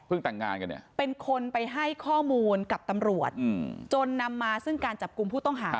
แต่งงานกันเนี่ยเป็นคนไปให้ข้อมูลกับตำรวจจนนำมาซึ่งการจับกลุ่มผู้ต้องหา